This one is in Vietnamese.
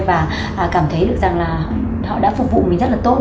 và cảm thấy được rằng là họ đã phục vụ mình rất là tốt